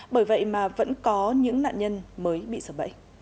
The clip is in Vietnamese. bởi vậy mà vẫn có những nạn nhân mới bị sợ bẫy